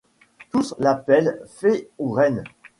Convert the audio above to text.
Tous l’appellent fée ou reine